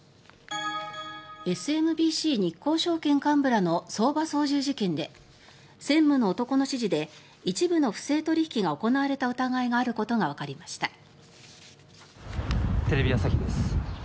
ＳＭＢＣ日興証券幹部らの相場操縦事件で専務の男の指示で一部の不正取引が行われた疑いがあることがわかりました。